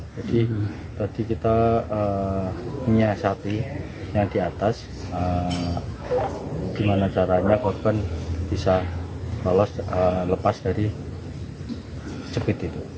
jadi kita menyiasati yang di atas gimana caranya korban bisa lepas dari jepit itu